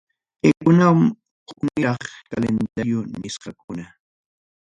Kaykunam hukniraq calendario nisqakuna.